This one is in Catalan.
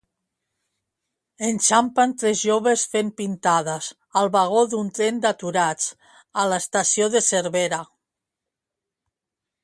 Enxampen tres joves fent pintades al vagó d'un tren d'aturats a l'estació de Cervera.